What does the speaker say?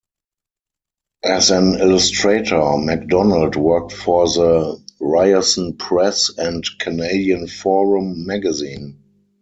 As an illustrator, MacDonald worked for the Ryerson Press and "Canadian Forum" magazine.